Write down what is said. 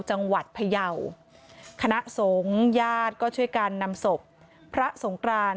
จังหวัดพยาวคณะสงฆ์ญาติก็ช่วยกันนำศพพระสงกราน